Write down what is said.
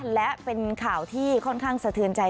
และเป็นข่าวที่ค่อนข้างสะเทือนใจ